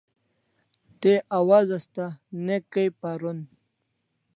Te awaz asta ne kai paron